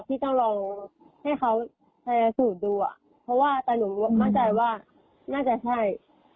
ที่ต้องลองให้เขาชนะสูตรดูอ่ะเพราะว่าแต่หนูมั่นใจว่าน่าจะใช่